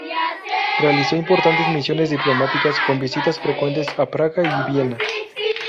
Realizó importantes misiones diplomáticas, con visitas frecuentes a Praga y Viena.